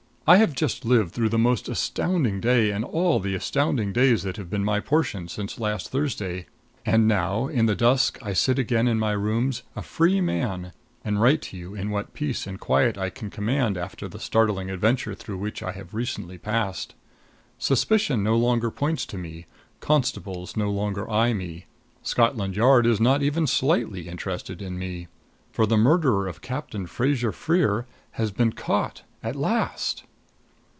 I have just lived through the most astounding day of all the astounding days that have been my portion since last Thursday. And now, in the dusk, I sit again in my rooms, a free man, and write to you in what peace and quiet I can command after the startling adventure through which I have recently passed. Suspicion no longer points to me; constables no longer eye me; Scotland Yard is not even slightly interested in me. For the murderer of Captain Fraser Freer has been caught at last!